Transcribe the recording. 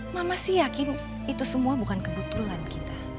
mama sih yakin itu semua bukan kebetulan kita